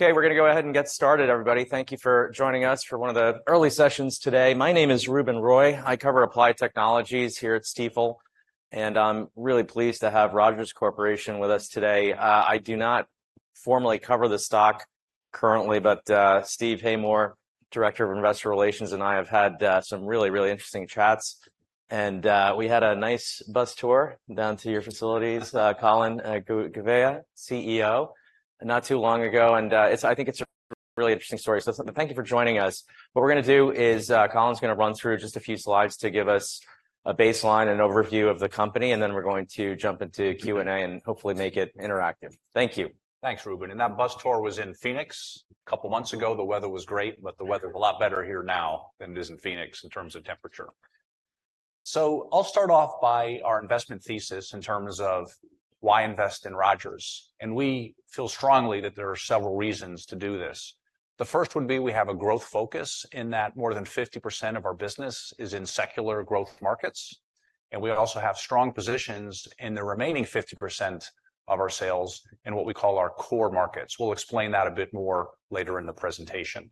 Okay, we're gonna go ahead and get started, everybody. Thank you for joining us for one of the early sessions today. My name is Ruben Roy. I cover Applied Technologies here at Stifel, and I'm really pleased to have Rogers Corporation with us today. I do not formally cover the stock currently, but, Steve Haymore, Director of Investor Relations, and I have had, some really, really interesting chats. And, we had a nice bus tour down to your facilities, Colin Gouveia, CEO, not too long ago, and, it's. I think it's a really interesting story. So thank you for joining us. What we're gonna do is, Colin's gonna run through just a few slides to give us a baseline and overview of the company, and then we're going to jump into Q&A and hopefully make it interactive. Thank you. Thanks, Ruben. That bus tour was in Phoenix a couple of months ago. The weather was great, but the weather is a lot better here now than it is in Phoenix in terms of temperature. I'll start off by our investment thesis in terms of why invest in Rogers, and we feel strongly that there are several reasons to do this. The first would be we have a growth focus in that more than 50% of our business is in secular growth markets, and we also have strong positions in the remaining 50% of our sales in what we call our core markets. We'll explain that a bit more later in the presentation.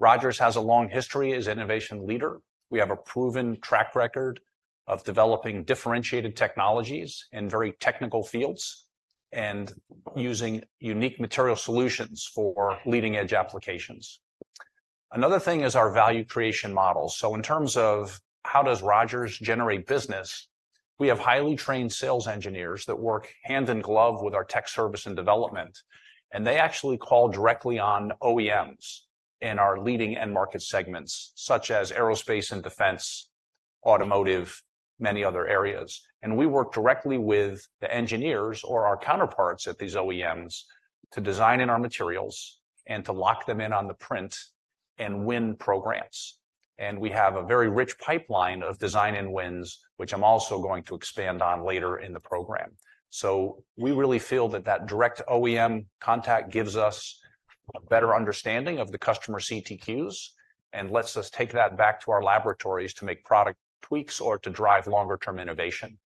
Rogers has a long history as an innovation leader. We have a proven track record of developing differentiated technologies in very technical fields and using unique material solutions for leading-edge applications. Another thing is our value creation model. So in terms of how does Rogers generate business, we have highly trained sales engineers that work hand in glove with our tech service and development, and they actually call directly on OEMs in our leading end market segments, such as aerospace and defense, automotive, many other areas. And we work directly with the engineers or our counterparts at these OEMs to design in our materials and to lock them in on the print and win programs. And we have a very rich pipeline of design and wins, which I'm also going to expand on later in the program. So we really feel that that direct OEM contact gives us a better understanding of the customer CTQs and lets us take that back to our laboratories to make product tweaks or to drive longer-term innovation.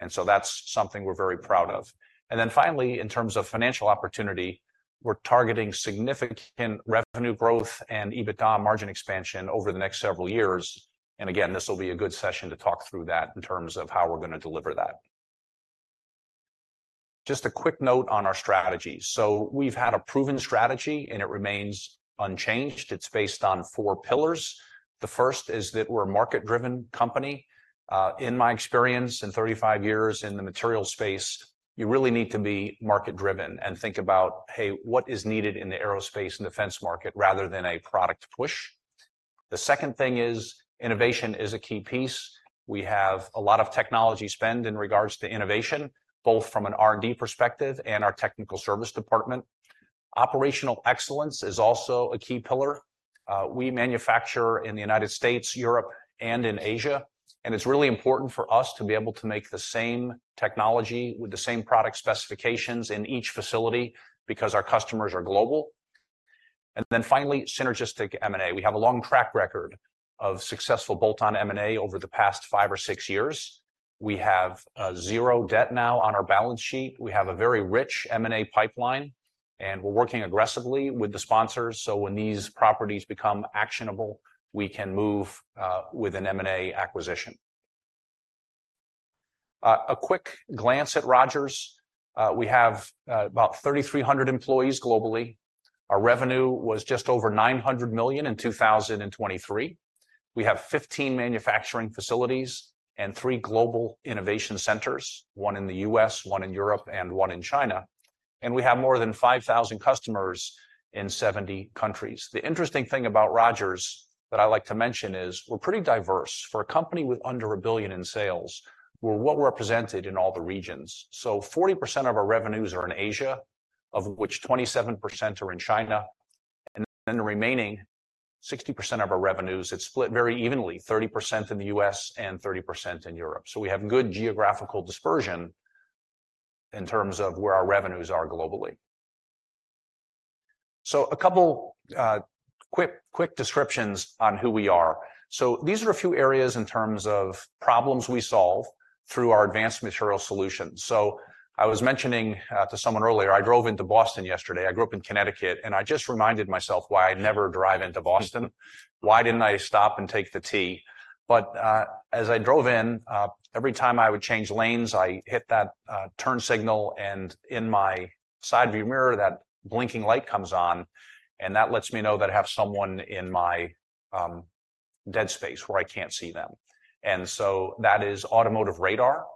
And so that's something we're very proud of. Then finally, in terms of financial opportunity, we're targeting significant revenue growth and EBITDA margin expansion over the next several years. Again, this will be a good session to talk through that in terms of how we're gonna deliver that. Just a quick note on our strategy. We've had a proven strategy, and it remains unchanged. It's based on four pillars. The first is that we're a market-driven company. In my experience, in 35 years in the material space, you really need to be market-driven and think about, "Hey, what is needed in the aerospace and defense market?" Rather than a product push. The second thing is innovation is a key piece. We have a lot of technology spend in regards to innovation, both from an R&D perspective and our technical service department. Operational excellence is also a key pillar. We manufacture in the United States, Europe, and in Asia, and it's really important for us to be able to make the same technology with the same product specifications in each facility because our customers are global. And then finally, synergistic M&A. We have a long track record of successful bolt-on M&A over the past five or six years. We have zero debt now on our balance sheet. We have a very rich M&A pipeline, and we're working aggressively with the sponsors, so when these properties become actionable, we can move with an M&A acquisition. A quick glance at Rogers. We have about 3,300 employees globally. Our revenue was just over $900 million in 2023. We have 15 manufacturing facilities and three global innovation centers, one in the U.S., one in Europe, and one in China, and we have more than 5,000 customers in 70 countries. The interesting thing about Rogers that I like to mention is we're pretty diverse. For a company with under $1 billion in sales, we're well-represented in all the regions. So 40% of our revenues are in Asia, of which 27% are in China, and then the remaining 60% of our revenues, it's split very evenly, 30% in the U.S. and 30% in Europe. So we have good geographical dispersion in terms of where our revenues are globally. So a couple quick quick descriptions on who we are. So these are a few areas in terms of problems we solve through our advanced material solutions. So I was mentioning to someone earlier, I drove into Boston yesterday. I grew up in Connecticut, and I just reminded myself why I never drive into Boston. Why didn't I stop and take the T? But as I drove in, every time I would change lanes, I hit that turn signal, and in my side view mirror, that blinking light comes on, and that lets me know that I have someone in my dead space where I can't see them. And so that is automotive radar,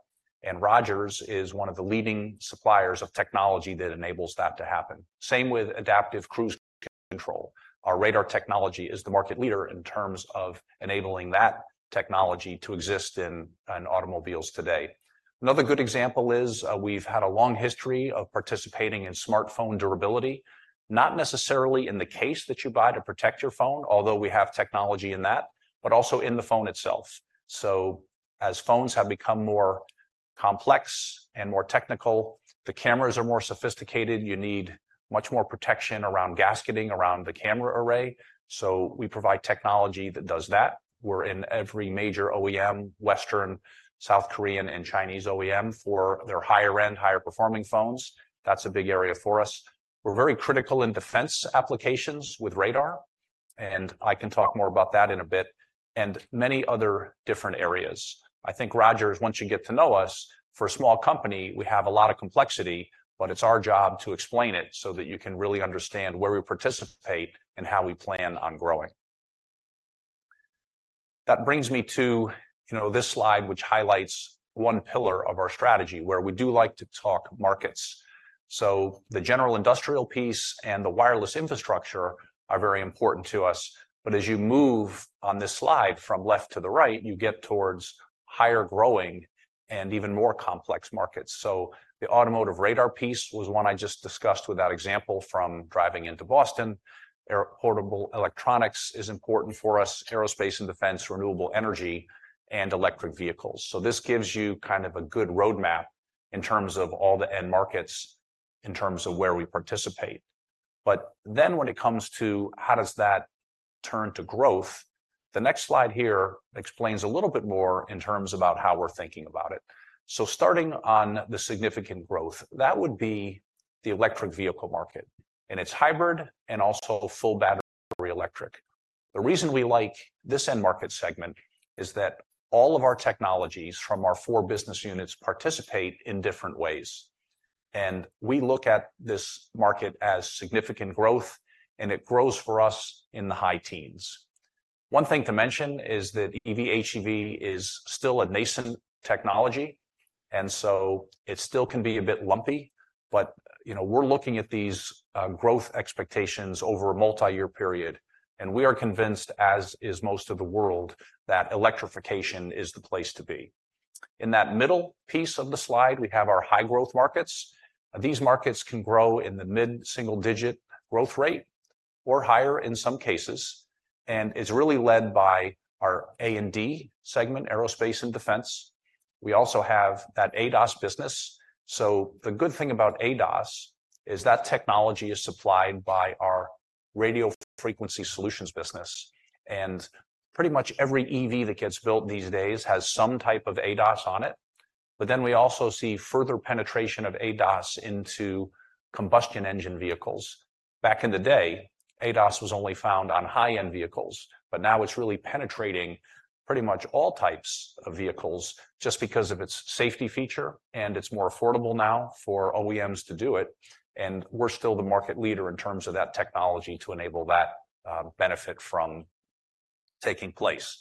and Rogers is one of the leading suppliers of technology that enables that to happen. Same with adaptive cruise control. Our radar technology is the market leader in terms of enabling that technology to exist in automobiles today. Another good example is, we've had a long history of participating in smartphone durability. Not necessarily in the case that you buy to protect your phone, although we have technology in that, but also in the phone itself. So as phones have become more complex and more technical, the cameras are more sophisticated. You need much more protection around gasketing, around the camera array, so we provide technology that does that. We're in every major OEM, Western, South Korean, and Chinese OEM for their higher-end, higher-performing phones. That's a big area for us. We're very critical in defense applications with radar, and I can talk more about that in a bit, and many other different areas. I think, Rogers, once you get to know us, for a small company, we have a lot of complexity, but it's our job to explain it so that you can really understand where we participate and how we plan on growing. That brings me to, you know, this slide, which highlights one pillar of our strategy, where we do like to talk markets. So the general industrial piece and the wireless infrastructure are very important to us, but as you move on this slide from left to the right, you get towards higher growing and even more complex markets. So the automotive radar piece was one I just discussed with that example from driving into Boston. Portable electronics is important for us, aerospace and defense, renewable energy, and electric vehicles. So this gives you kind of a good roadmap in terms of all the end markets, in terms of where we participate. But then when it comes to, how does that turn to growth? The next slide here explains a little bit more in terms about how we're thinking about it. Starting on the significant growth, that would be the electric vehicle market, and it's hybrid and also full battery electric. The reason we like this end market segment is that all of our technologies from our four business units participate in different ways, and we look at this market as significant growth, and it grows for us in the high teens. One thing to mention is that EV/HEV is still a nascent technology, and so it still can be a bit lumpy, but, you know, we're looking at these growth expectations over a multi-year period, and we are convinced, as is most of the world, that electrification is the place to be. In that middle piece of the slide, we have our high-growth markets. These markets can grow in the mid-single-digit growth rate or higher in some cases, and it's really led by our A&D segment, Aerospace and Defense. We also have that ADAS business. So the good thing about ADAS is that technology is supplied by our radio frequency solutions business, and pretty much every EV that gets built these days has some type of ADAS on it. But then we also see further penetration of ADAS into combustion engine vehicles. Back in the day, ADAS was only found on high-end vehicles, but now it's really penetrating pretty much all types of vehicles just because of its safety feature, and it's more affordable now for OEMs to do it. And we're still the market leader in terms of that technology to enable that benefit from taking place.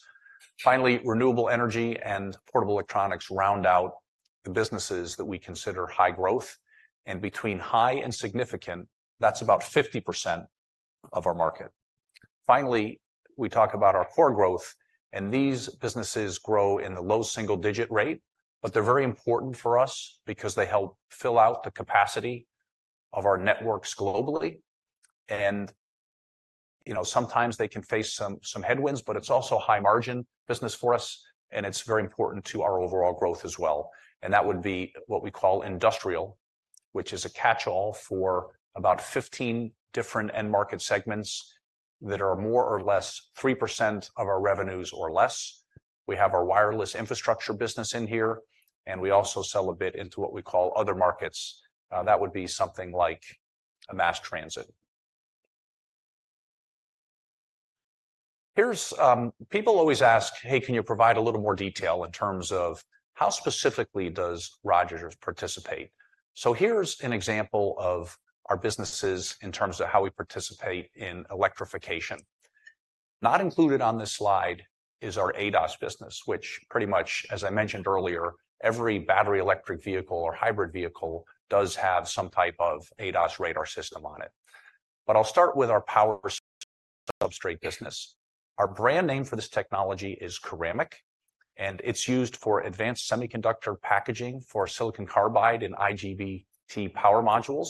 Finally, renewable energy and portable electronics round out the businesses that we consider high growth, and between high and significant, that's about 50% of our market. Finally, we talk about our core growth, and these businesses grow in the low single-digit rate, but they're very important for us because they help fill out the capacity of our networks globally. And, you know, sometimes they can face some headwinds, but it's also a high-margin business for us, and it's very important to our overall growth as well. And that would be what we call industrial, which is a catch-all for about 15 different end market segments that are more or less 3% of our revenues or less. We have our wireless infrastructure business in here, and we also sell a bit into what we call other markets. That would be something like a mass transit. People always ask, "Hey, can you provide a little more detail in terms of how specifically does Rogers participate?" Here's an example of our businesses in terms of how we participate in electrification. Not included on this slide is our ADAS business, which pretty much, as I mentioned earlier, every battery electric vehicle or hybrid vehicle does have some type of ADAS radar system on it. But I'll start with our power substrate business. Our brand name for this technology is curamik, and it's used for advanced semiconductor packaging for silicon carbide and IGBT power modules.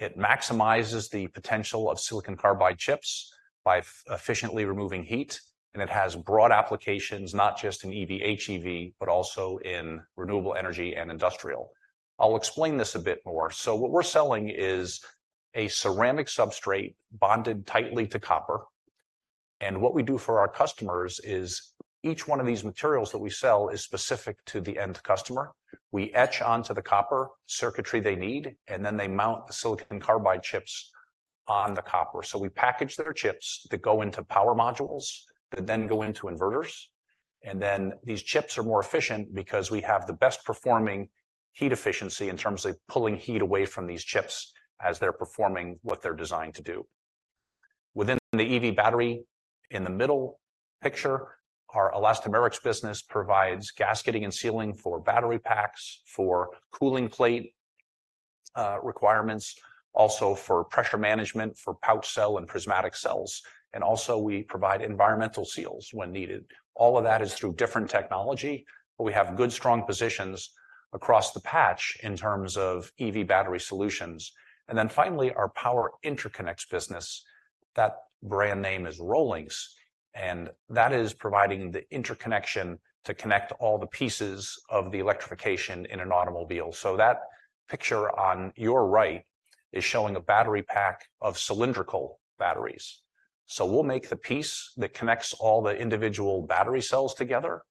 It maximizes the potential of silicon carbide chips by efficiently removing heat, and it has broad applications, not just in EV/HEV, but also in renewable energy and industrial. I'll explain this a bit more. So what we're selling is a ceramic substrate bonded tightly to copper, and what we do for our customers is each one of these materials that we sell is specific to the end customer. We etch onto the copper circuitry they need, and then they mount the silicon carbide chips on the copper. So we package their chips that go into power modules, that then go into inverters, and then these chips are more efficient because we have the best-performing heat efficiency in terms of pulling heat away from these chips as they're performing what they're designed to do. Within the EV battery, in the middle picture, our elastomerics business provides gasketing and sealing for battery packs, for cooling plate requirements, also for pressure management, for pouch cell and prismatic cells, and also we provide environmental seals when needed. All of that is through different technology, but we have good, strong positions across the patch in terms of EV battery solutions. And then finally, our power interconnects business. That brand name is ROLINX, and that is providing the interconnection to connect all the pieces of the electrification in an automobile. So that picture on your right is showing a battery pack of cylindrical batteries. So we'll make the piece that connects all the individual battery cells together.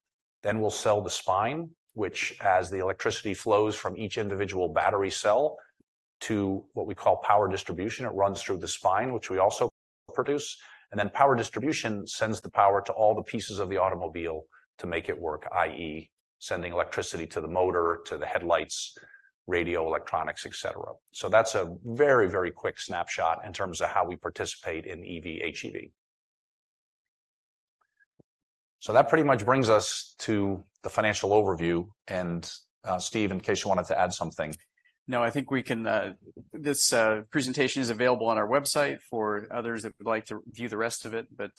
Then we'll sell the spine, which, as the electricity flows from each individual battery cell to what we call power distribution. It runs through the spine, which we also produce, and then power distribution sends the power to all the pieces of the automobile to make it work, i.e., sending electricity to the motor, to the headlights, radio, electronics, et cetera. So that's a very, very quick snapshot in terms of how we participate in EV, HEV. So that pretty much brings us to the financial overview, and, Steve, in case you wanted to add something. No, I think we can. This presentation is available on our website for others that would like to view the rest of it, but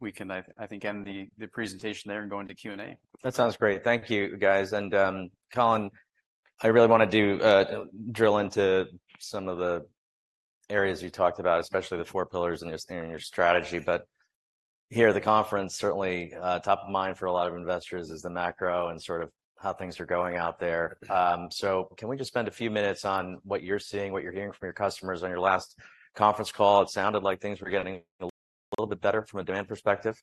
we can. I think end the presentation there and go into Q&A. That sounds great. Thank you, guys. And, Colin, I really want to drill into some of the areas you talked about, especially the four pillars in your strategy. But here at the conference, certainly top of mind for a lot of investors is the macro and sort of how things are going out there. So can we just spend a few minutes on what you're seeing, what you're hearing from your customers? On your last conference call, it sounded like things were getting a little bit better from a demand perspective.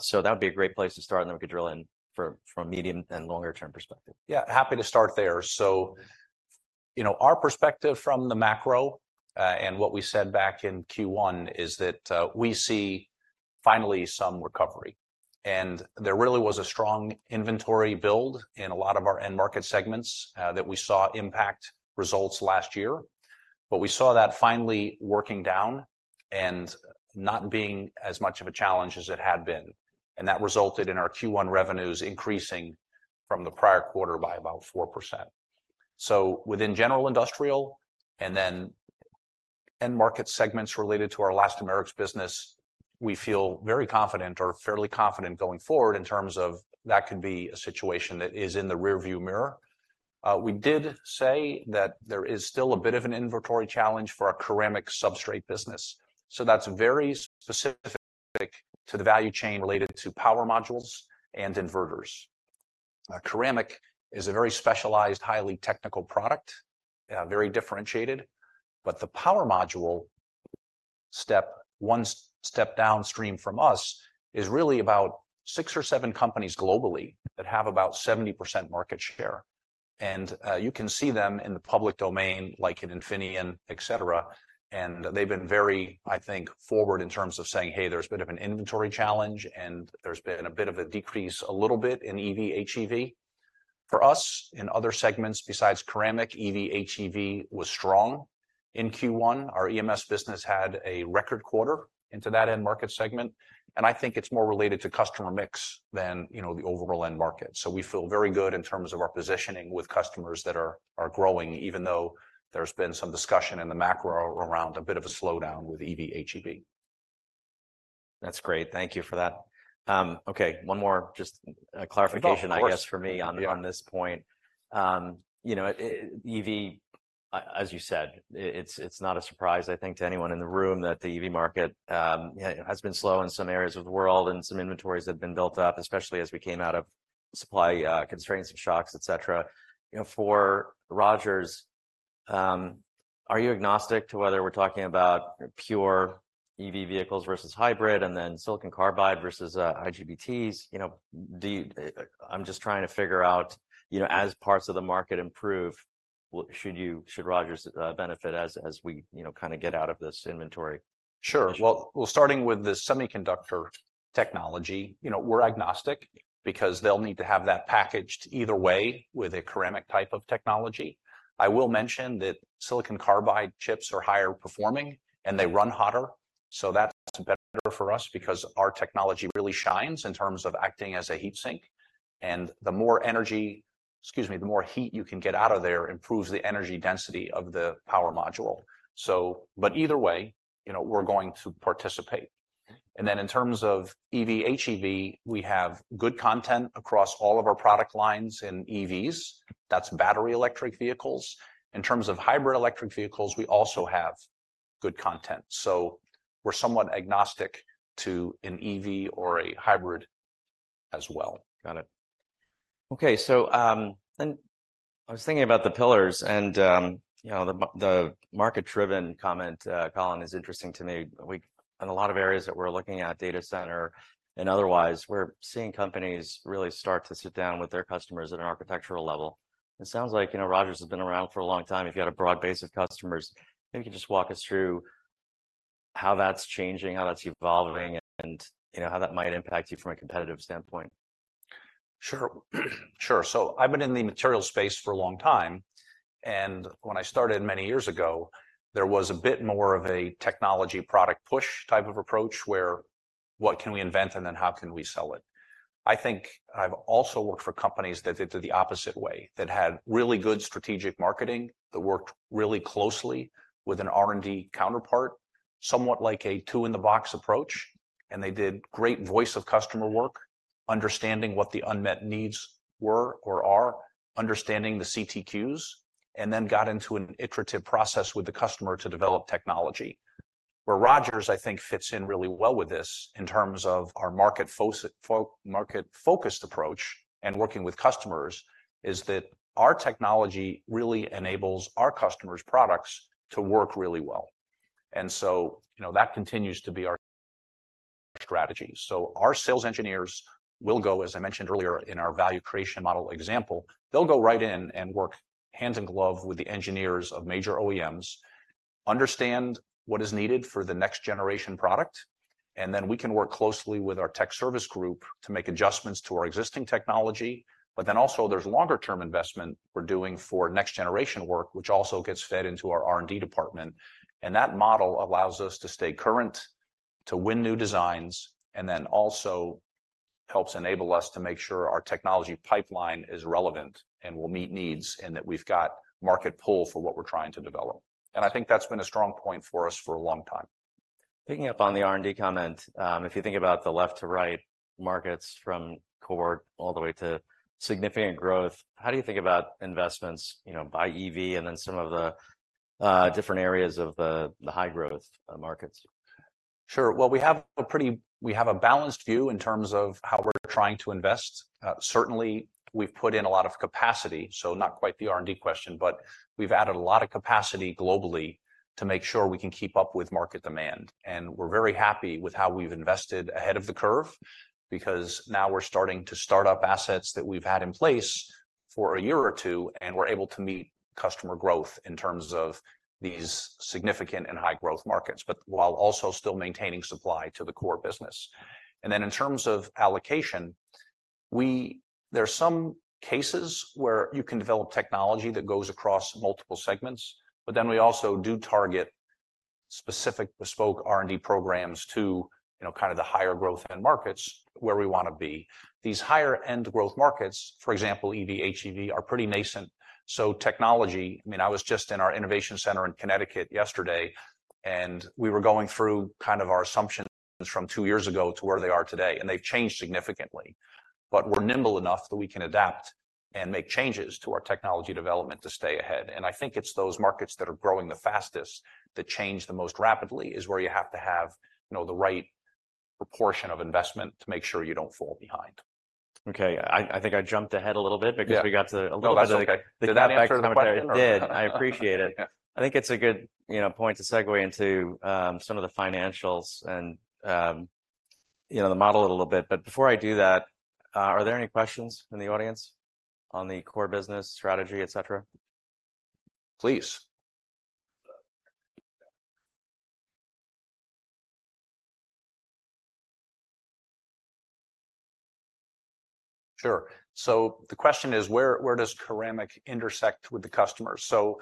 So that would be a great place to start, and then we could drill in from a medium and longer term perspective. Yeah, happy to start there. So, you know, our perspective from the macro, and what we said back in Q1, is that, we see finally some recovery. And there really was a strong inventory build in a lot of our end market segments, that we saw impact results last year. But we saw that finally working down and not being as much of a challenge as it had been, and that resulted in our Q1 revenues increasing from the prior quarter by about 4%. So within general industrial and then end market segments related to our elastomers business, we feel very confident or fairly confident going forward in terms of that could be a situation that is in the rearview mirror. We did say that there is still a bit of an inventory challenge for our ceramic substrate business, so that's very specific to the value chain related to power modules and inverters. Ceramic is a very specialized, highly technical product, very differentiated, but the power module, one step downstream from us, is really about six or seven companies globally that have about 70% market share. And you can see them in the public domain, like in Infineon, et cetera. And they've been very, I think, forward in terms of saying, "Hey, there's a bit of an inventory challenge, and there's been a bit of a decrease, a little bit in EV, HEV." For us, in other segments besides ceramic, EV, HEV was strong. In Q1, our EMS business had a record quarter into that end market segment, and I think it's more related to customer mix than, you know, the overall end market. So we feel very good in terms of our positioning with customers that are growing, even though there's been some discussion in the macro around a bit of a slowdown with EV, HEV. That's great. Thank you for that. Okay, one more just. Of course. Clarification, I guess, for me on, on this point. You know, EV, as you said, it, it's not a surprise, I think, to anyone in the room that the EV market, you know, has been slow in some areas of the world, and some inventories have been built up, especially as we came out of supply, constraints and shocks, et cetera. You know, for Rogers, are you agnostic to whether we're talking about pure EV vehicles versus hybrid, and then silicon carbide versus, IGBTs? You know, do you, I'm just trying to figure out, you know, as parts of the market improve, what. Should you, should Rogers, benefit as, as we, you know, kind of get out of this inventory? Sure. Well, starting with the semiconductor technology, you know, we're agnostic because they'll need to have that packaged either way with a ceramic type of technology. I will mention that silicon carbide chips are higher performing, and they run hotter, so that's better for us because our technology really shines in terms of acting as a heat sink. And the more energy, excuse me, the more heat you can get out of there improves the energy density of the power module. So, but either way, you know, we're going to participate. And then in terms of EV, HEV, we have good content across all of our product lines in EVs. That's battery electric vehicles. In terms of hybrid electric vehicles, we also have good content, so we're somewhat agnostic to an EV or a hybrid as well. Got it. Okay, so, then I was thinking about the pillars and, you know, the market-driven comment, Colin, is interesting to me. We, in a lot of areas that we're looking at, data center and otherwise, we're seeing companies really start to sit down with their customers at an architectural level. It sounds like, you know, Rogers has been around for a long time. You've got a broad base of customers. Maybe you can just walk us through how that's changing, how that's evolving, and, you know, how that might impact you from a competitive standpoint. Sure. Sure. So I've been in the materials space for a long time, and when I started many years ago, there was a bit more of a technology product push type of approach, where, what can we invent, and then how can we sell it? I think I've also worked for companies that did it the opposite way, that had really good strategic marketing, that worked really closely with an R&D counterpart, somewhat like a two-in-the-box approach, and they did great voice of customer work, understanding what the unmet needs were or are, understanding the CTQs, and then got into an iterative process with the customer to develop technology. Where Rogers, I think, fits in really well with this in terms of our market-focused approach and working with customers, is that our technology really enables our customers' products to work really well. And so, you know, that continues to be our strategy. So our sales engineers will go, as I mentioned earlier in our value creation model example, they'll go right in and work hand in glove with the engineers of major OEMs, understand what is needed for the next generation product, and then we can work closely with our tech service group to make adjustments to our existing technology. But then also, there's longer term investment we're doing for next generation work, which also gets fed into our R&D department. And that model allows us to stay current, to win new designs, and then also helps enable us to make sure our technology pipeline is relevant and will meet needs, and that we've got market pull for what we're trying to develop. And I think that's been a strong point for us for a long time. Picking up on the R&D comment, if you think about the left to right markets from core all the way to significant growth, how do you think about investments, you know, by EV and then some of the different areas of the high growth markets? Sure. Well, we have a balanced view in terms of how we're trying to invest. Certainly, we've put in a lot of capacity, so not quite the R&D question, but we've added a lot of capacity globally to make sure we can keep up with market demand. And we're very happy with how we've invested ahead of the curve, because now we're starting to start up assets that we've had in place for a year or two, and we're able to meet customer growth in terms of these significant and high growth markets, but while also still maintaining supply to the core business. Then in terms of allocation, there are some cases where you can develop technology that goes across multiple segments, but then we also do target specific bespoke R&D programs to, you know, kind of the higher growth end markets where we wanna be. These higher end growth markets, for example, EV, HEV, are pretty nascent, so technology, I mean, I was just in our innovation center in Connecticut yesterday, and we were going through kind of our assumptions from two years ago to where they are today, and they've changed significantly. But we're nimble enough that we can adapt and make changes to our technology development to stay ahead. And I think it's those markets that are growing the fastest, that change the most rapidly, is where you have to have, you know, the right proportion of investment to make sure you don't fall behind. Okay, I think I jumped ahead a little bit. Yeah. Because we got to a little bit of the. No, that's okay. Did that answer the question? It did. I appreciate it. Yeah. I think it's a good, you know, point to segue into, some of the financials and, you know, the model a little bit. But before I do that, are there any questions from the audience on the core business strategy, et cetera? Please. Sure. So the question is, "Where, where does curamik intersect with the customer?" So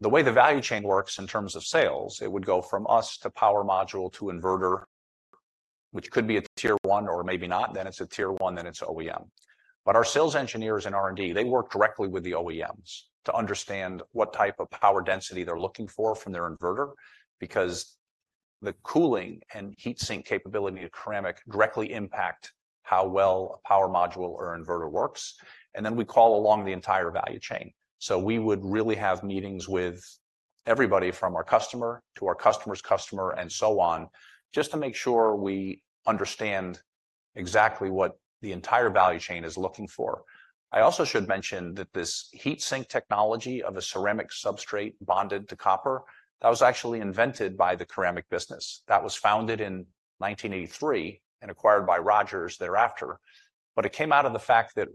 the way the value chain works in terms of sales, it would go from us to power module to inverter, which could be a tier one or maybe not, then it's a tier one, then it's OEM. But our sales engineers in R&D, they work directly with the OEMs to understand what type of power density they're looking for from their inverter, because the cooling and heat sink capability of ceramic directly impact how well a power module or inverter works. And then we call along the entire value chain. So we would really have meetings with everybody from our customer to our customer's customer, and so on, just to make sure we understand exactly what the entire value chain is looking for. I also should mention that this heat sink technology of a ceramic substrate bonded to copper, that was actually invented by the ceramic business. That was founded in 1983 and acquired by Rogers thereafter. But it came out of the fact that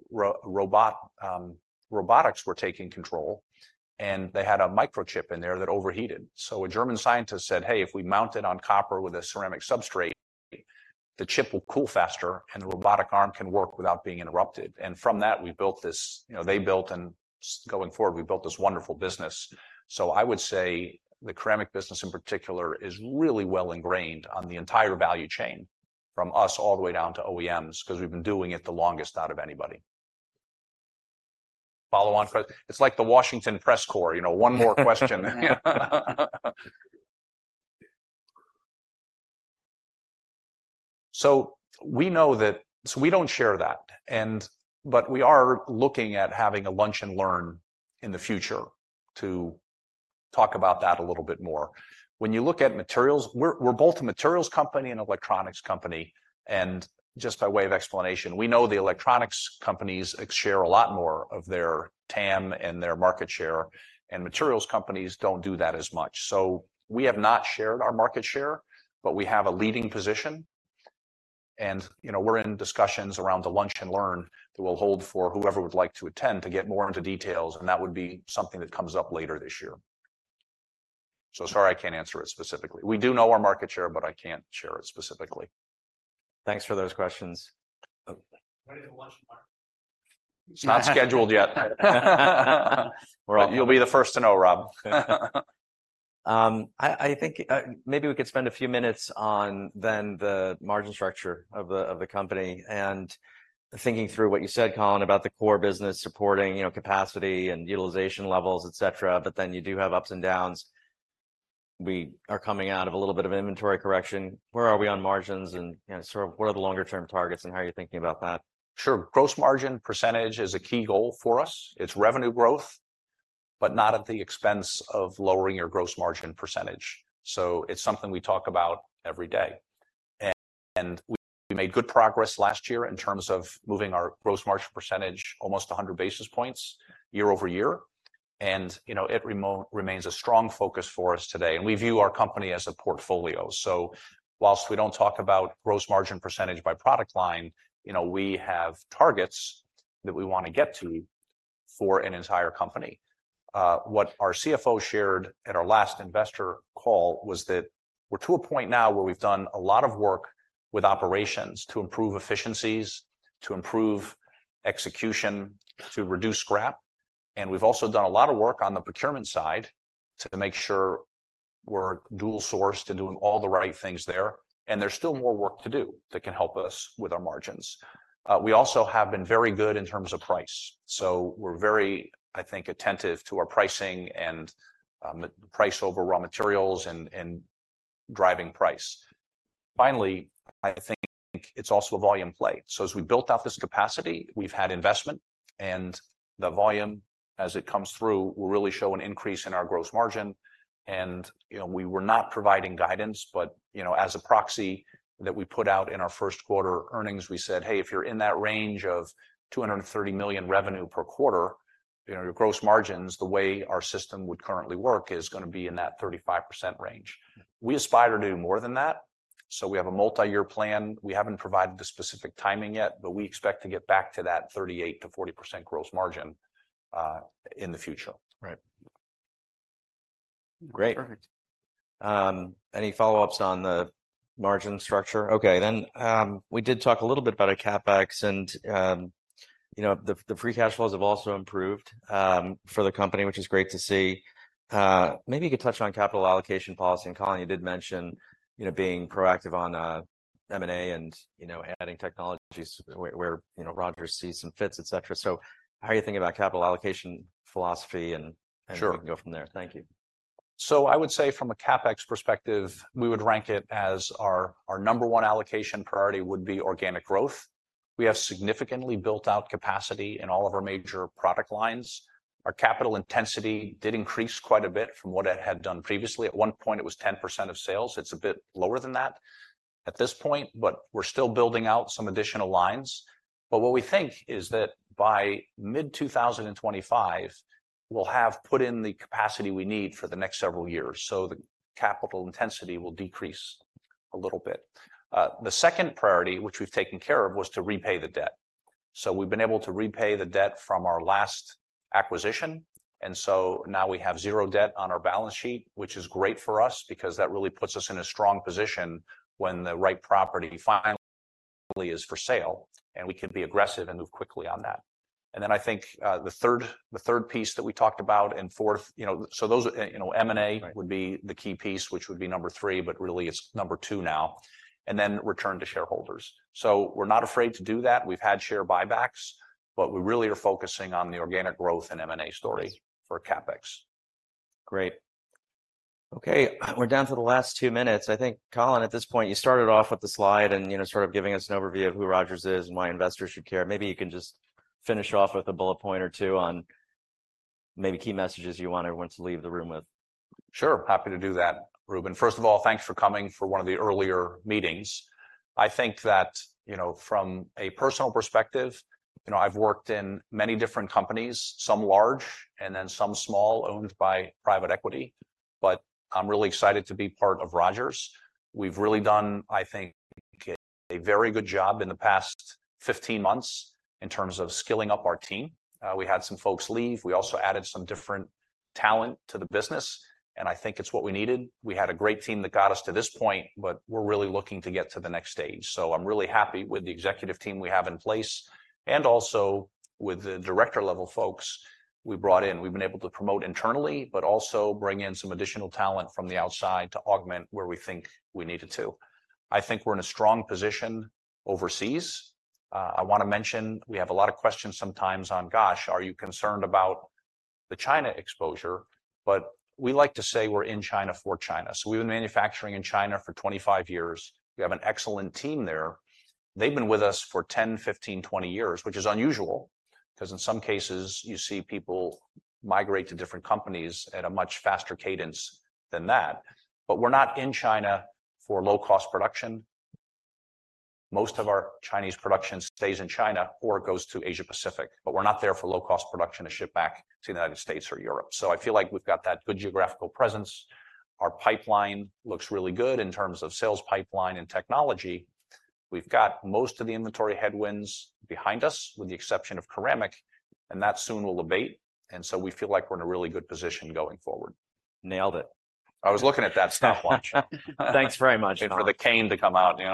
robotics were taking control, and they had a microchip in there that overheated. So a German scientist said, "Hey, if we mount it on copper with a ceramic substrate, the chip will cool faster, and the robotic arm can work without being interrupted." And from that, we built this, you know, they built, and going forward, we built this wonderful business. So I would say the ceramic business, in particular, is really well ingrained on the entire value chain, from us all the way down to OEMs, 'cause we've been doing it the longest out of anybody. Follow-on question. It's like the Washington Press Corps, you know, one more question. So we know that. So we don't share that, but we are looking at having a lunch and learn in the future to talk about that a little bit more. When you look at materials, we're both a materials company and electronics company, and just by way of explanation, we know the electronics companies share a lot more of their TAM and their market share, and materials companies don't do that as much. So we have not shared our market share, but we have a leading position. And, you know, we're in discussions around a lunch and learn that we'll hold for whoever would like to attend to get more into details, and that would be something that comes up later this year. So sorry, I can't answer it specifically. We do know our market share, but I can't share it specifically. Thanks for those questions. When is the lunch and learn? It's not scheduled yet. Well, you'll be the first to know, Rob. I think maybe we could spend a few minutes on, then, the margin structure of the company, and thinking through what you said, Colin, about the core business supporting, you know, capacity and utilization levels, et cetera, but then you do have ups and downs. We are coming out of a little bit of inventory correction. Where are we on margins, and, you know, sort of what are the longer term targets, and how are you thinking about that? Sure. Gross margin percentage is a key goal for us. It's revenue growth, but not at the expense of lowering your gross margin percentage, so it's something we talk about every day. And we made good progress last year in terms of moving our gross margin percentage almost 100 basis points year-over-year, and, you know, it remains a strong focus for us today, and we view our company as a portfolio. So while we don't talk about gross margin percentage by product line, you know, we have targets that we wanna get to for an entire company. What our CFO shared at our last investor call was that we're to a point now where we've done a lot of work with operations to improve efficiencies, to improve execution, to reduce scrap, and we've also done a lot of work on the procurement side to make sure we're dual sourced and doing all the right things there, and there's still more work to do that can help us with our margins. We also have been very good in terms of price, so we're very, I think, attentive to our pricing and, price over raw materials and driving price. Finally, I think it's also a volume play. So as we built out this capacity, we've had investment, and the volume, as it comes through, will really show an increase in our gross margin. You know, we were not providing guidance, but, you know, as a proxy that we put out in our first quarter earnings, we said, "Hey, if you're in that range of $230 million revenue per quarter, you know, your gross margins, the way our system would currently work, is gonna be in that 35% range." We aspire to do more than that, so we have a multi-year plan. We haven't provided the specific timing yet, but we expect to get back to that 38%-40% gross margin in the future. Right. Great. Perfect. Any follow-ups on the margin structure? Okay, then, we did talk a little bit about a CapEx and, you know, the free cash flows have also improved, for the company, which is great to see. Maybe you could touch on capital allocation policy, and Colin, you did mention, you know, being proactive on, M&A and, you know, adding technologies where, you know, Rogers sees some fits, et cetera. So how are you thinking about capital allocation philosophy, and. Sure. And we can go from there. Thank you. So I would say from a CapEx perspective, we would rank it as our, our number one allocation priority would be organic growth. We have significantly built out capacity in all of our major product lines. Our capital intensity did increase quite a bit from what it had done previously. At one point, it was 10% of sales. It's a bit lower than that at this point, but we're still building out some additional lines. But what we think is that by mid-2025, we'll have put in the capacity we need for the next several years, so the capital intensity will decrease a little bit. The second priority, which we've taken care of, was to repay the debt. So we've been able to repay the debt from our last acquisition, and so now we have zero debt on our balance sheet, which is great for us because that really puts us in a strong position when the right property finally is for sale, and we can be aggressive and move quickly on that. And then I think, the third, the third piece that we talked about, and fourth, you know. So those are, you know, M&A. Right. Would be the key piece, which would be number three, but really it's number two now, and then return to shareholders. So we're not afraid to do that. We've had share buybacks, but we really are focusing on the organic growth and M&A story for CapEx. Great. Okay, we're down for the last two minutes. I think, Colin, at this point, you started off with the slide and, you know, sort of giving us an overview of who Rogers is and why investors should care. Maybe you can just finish off with a bullet point or two on maybe key messages you want everyone to leave the room with. Sure, happy to do that, Ruben. First of all, thanks for coming for one of the earlier meetings. I think that, you know, from a personal perspective, you know, I've worked in many different companies, some large and then some small, owned by private equity, but I'm really excited to be part of Rogers. We've really done, I think, a very good job in the past 15 months in terms of skilling up our team. We had some folks leave. We also added some different talent to the business, and I think it's what we needed. We had a great team that got us to this point, but we're really looking to get to the next stage. So I'm really happy with the executive team we have in place, and also with the director-level folks we brought in. We've been able to promote internally, but also bring in some additional talent from the outside to augment where we think we needed to. I think we're in a strong position overseas. I wanna mention, we have a lot of questions sometimes on, gosh, are you concerned about the China exposure? But we like to say we're in China for China. So we've been manufacturing in China for 25 years. We have an excellent team there. They've been with us for 10, 15, 20 years, which is unusual, 'cause in some cases, you see people migrate to different companies at a much faster cadence than that. But we're not in China for low-cost production. Most of our Chinese production stays in China or goes to Asia Pacific, but we're not there for low-cost production to ship back to the United States or Europe. So I feel like we've got that good geographical presence. Our pipeline looks really good in terms of sales pipeline and technology. We've got most of the inventory headwinds behind us, with the exception of ceramic, and that soon will abate, and so we feel like we're in a really good position going forward. Nailed it. I was looking at that stopwatch. Thanks very much, Colin. Waiting for the cane to come out, you know?